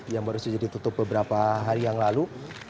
yang baru saja ditutup beberapa hari yang lalu